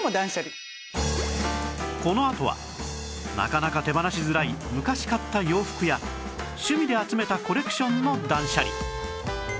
このあとはなかなか手放しづらい昔買った洋服や趣味で集めたコレクションの断捨離